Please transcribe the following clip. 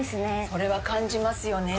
それは感じますよね。